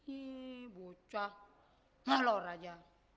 ih bocah malor aja